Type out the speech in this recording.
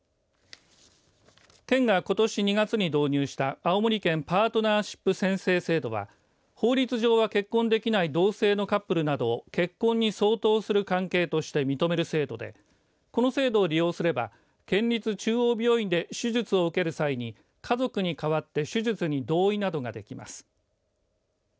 県が、ことし２月に導入した青森県パートナーシップ宣誓制度は法律上は結婚できない同性のカップルなどを結婚に相当する関係として認める制度でこの制度を利用すれば県立中央病院で手術を受ける際に家族に代わって手術に同意などができます。